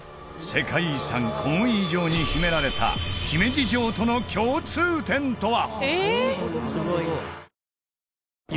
世界遺産コンウィ城に秘められた姫路城との共通点とは！？